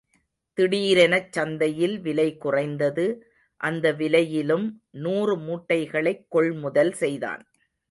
திடீரெனச் சந்தையில் விலை குறைந்தது அந்த வியிைலிலும் நூறு மூட்டைகளைக் கொள் முதல் செய்தான்.